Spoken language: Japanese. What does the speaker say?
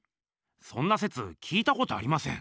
そんなせつ聞いたことありません。